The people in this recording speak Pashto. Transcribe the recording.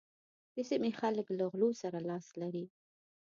د سيمې خلک له غلو سره لاس لري.